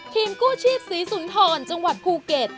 กู้ชีพศรีสุนทรจังหวัดภูเก็ต